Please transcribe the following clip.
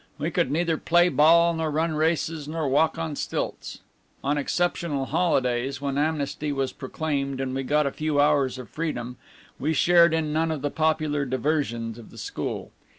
We could neither play ball, nor run races, nor walk on stilts. On exceptional holidays, when amnesty was proclaimed and we got a few hours of freedom, we shared in none of the popular diversions of the school.